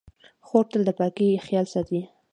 خور تل د پاکۍ خیال ساتي.